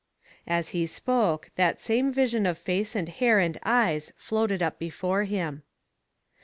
As he spoke that same vision of face and hair and eyes floated up before him.